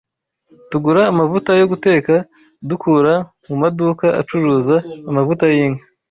Tugura amavuta yo guteka dukura mu maduka acuruza amavuta y’inka